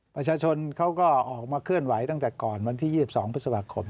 ประชาชนเขาก็ออกมาเคลื่อนไหวตั้งแต่ก่อนวันที่๒๒พฤษภาคม